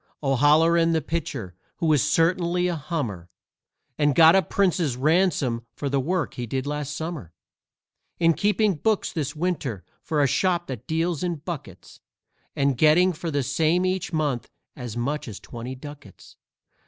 O'Halloran, the pitcher, who was certainly a hummer, And got a prince's ransom for the work he did last Summer, Is keeping books this Winter for a shop that deals in buckets, And getting for the same each month as much as twenty ducats.